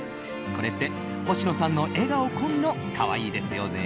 これって星野さんの笑顔込みの可愛いですよね。